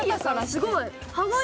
すごい。